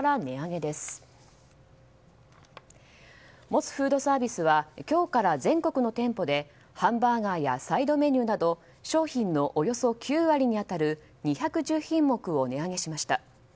モスフードサービスは今日から全国の店舗でハンバーガーやサイドメニューなど商品のおよそ９割に当たる２１０品目を値上げしました。